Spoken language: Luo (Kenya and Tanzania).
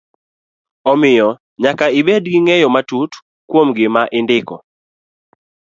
Omiyo, nyaka ibed gi ng'eyo matut kuom gima idndiko.